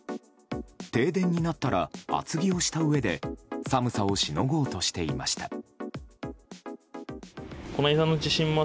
停電になったら厚着をしたうえで寒さをしのごうとしていました。